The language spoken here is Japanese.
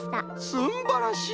すんばらしい！